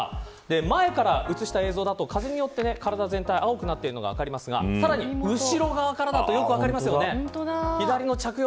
前から映した映像だと体全体が熱くなっているのが分かりますがさらに後ろ側からだとよく分かりますよね。